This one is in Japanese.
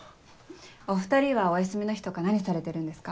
お２人はお休みの日とか何されてるんですか？